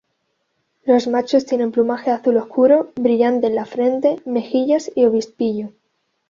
Los machos tienen plumaje azul oscuro, brillante en la frente, mejillas y obispillo.